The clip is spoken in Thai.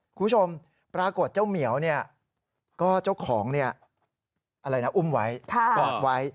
คุณผู้ชมปรากฏเจ้าเหมียวเนี่ยก็เจ้าของเนี่ยอะไรนะอุ้มไว้กอดไว้